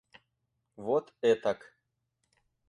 Вот этак.